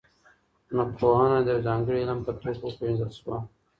ځمکپوهنه د یو ځانګړي علم په توګه وپیژندل سوه.